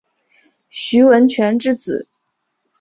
徐文铨之子。